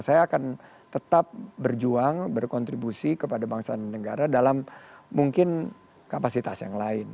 saya akan tetap berjuang berkontribusi kepada bangsa dan negara dalam mungkin kapasitas yang lain